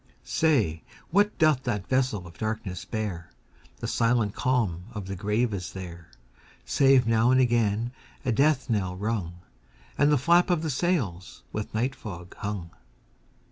Say, what doth that vessel of darkness bear? The silent calm of the grave is there, Save now and again a death knell rung, And the flap of the sails with night fog hung.